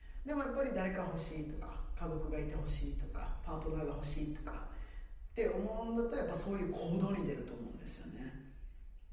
でもやっぱり誰か欲しいとか家族がいてほしいとかパートナーが欲しいとかって思うんだったらやっぱそういう行動に出ると思うんですよね。